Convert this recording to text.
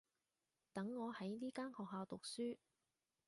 等我喺呢間學校讀書